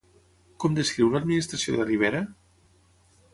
Com descriu l'administració de Rivera?